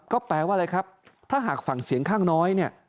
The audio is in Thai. ก็แปลว่าอะไรครับถ้าหากฝั่งเสียงข้างน้อยเนี่ย